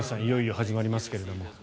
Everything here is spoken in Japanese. いよいよ始まりますけれども。